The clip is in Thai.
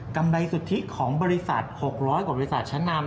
กำไรสุทธิของบริษัท๖๐๐กว่าบริษัทชั้นนำ